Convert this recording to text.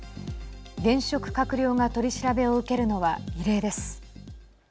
現職閣僚が取り調べを受けるのは異例です。